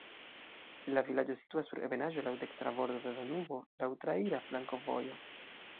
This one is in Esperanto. La vilaĝo situas sur ebenaĵo, laŭ dekstra bordo de Danubo, laŭ traira flankovojo.